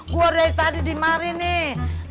gue dari tadi di mari nih